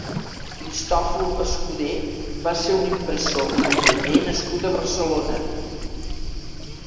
Cristòfol Escuder va ser un impressor i llibreter nascut a Barcelona.